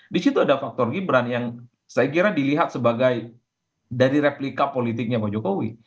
di situ ada faktor gibran yang saya kira dilihat sebagai dari replika politiknya pak jokowi